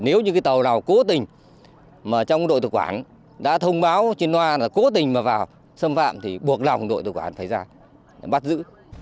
nếu như cái tàu nào cố tình mà trong đội tự quản đã thông báo trên loa là cố tình mà vào xâm phạm thì buộc lòng đội tự quản phải ra bắt giữ